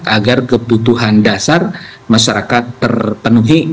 agar kebutuhan dasar masyarakat terpenuhi